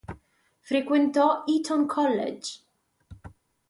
Frequentò Eton College.